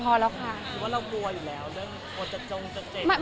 คิดว่าเรารัวอยู่แล้วเรื่องจกจงจกเจน